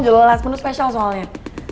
jelas penuh spesial soalnya